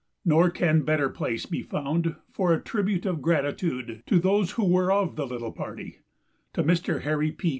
Nor can better place be found for a tribute of gratitude to those who were of the little party: to Mr. Harry P.